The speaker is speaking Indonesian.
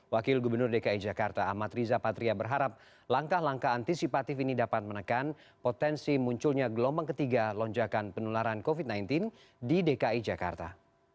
wakil gubernur dki jakarta ahmad riza patria berharap langkah langkah antisipatif ini dapat menekan potensi munculnya gelombang ketiga lonjakan penularan covid sembilan belas di dki jakarta